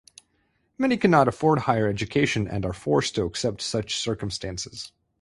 Many cannot afford higher education and are forced to accept such circumstances.